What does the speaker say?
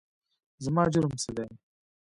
زما جرم څه دی ؟؟